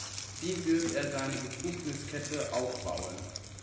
Wie wird er seine Befugniskette aufbauen?